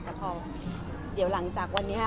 แต่พอเดี๋ยวหลังจากวันนี้ค่ะ